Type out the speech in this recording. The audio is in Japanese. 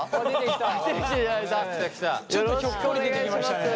ちょっとひょっこり出てきましたね。